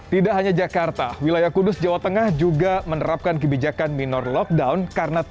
tidak hanya jakarta wilayah kudus jawa tengah juga menerapkan kebijakan minor lockdown